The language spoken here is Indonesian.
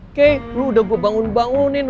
oke lo udah gue bangun bangunin